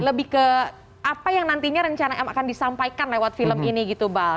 lebih ke apa yang nantinya rencana m akan disampaikan lewat film ini gitu bal